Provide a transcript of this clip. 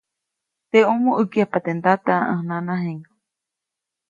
Teʼomo ʼäkyajpa teʼ ndata ʼäj nanajiʼŋ.